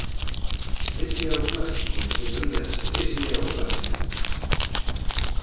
¡Ese é o clásico, señorías, ese é o clásico!